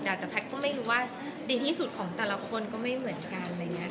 แต่แพทย์ก็ไม่รู้ว่าดีที่สุดของแต่ละคนก็ไม่เหมือนกัน